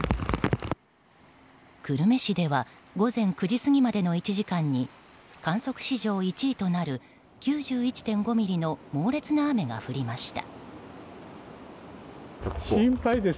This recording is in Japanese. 久留米市では午前９時過ぎまでの１時間に観測史上１位となる９１．５ミリの猛烈な雨が降りました。